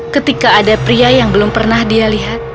ketika ada pria yang belum pernah dia lihat